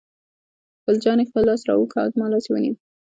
ګل جانې خپل لاس را اوږد کړ او زما لاس یې ونیو.